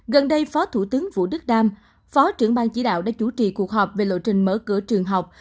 gần đây phó thủ tướng vũ đức đam phó trưởng ban chỉ đạo đã chủ trì cuộc họp về lộ trình mở cửa trường học